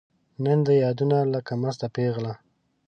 نن دي یادونو لکه مسته پیغله